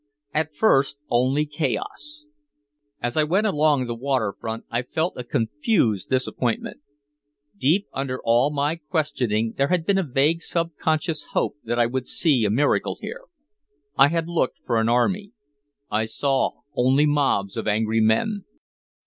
At first only chaos. As I went along the waterfront I felt a confused disappointment. Deep under all my questioning there had been a vague subconscious hope that I would see a miracle here. I had looked for an army. I saw only mobs of angry men.